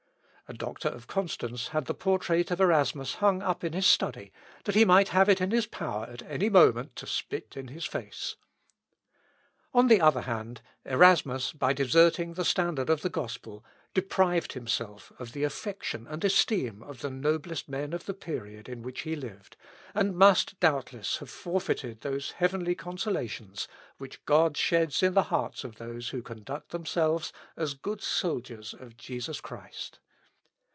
A doctor of Constance had the portrait of Erasmus hung up in his study, that he might have it in his power at any moment to spit in his face. On the other hand, Erasmus, by deserting the standard of the gospel, deprived himself of the affection and esteem of the noblest men of the period in which he lived, and must, doubtless, have forfeited those heavenly consolations which God sheds in the hearts of those who conduct themselves as good soldiers of Jesus Christ.